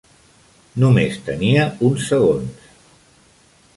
Només tenia uns segons.